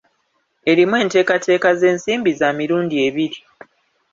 Erimu enteekateeka z'ensimbi za mirundi ebiri.